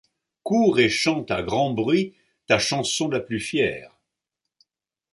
Cours et chante à grand bruit ta chanson la plus fière